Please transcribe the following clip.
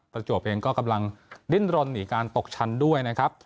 ประจวบเองก็กำลังดิ้นรนหนีการตกชั้นด้วยนะครับ